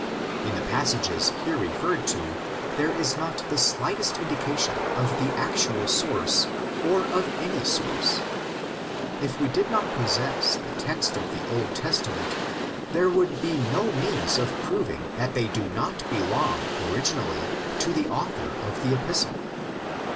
In the passages here referred to there is not the slightest indication of the actual source or of any source. If we did not possess the text of the Old Testament, there would be no means of proving that they do not belong originally to the author of the Epistle.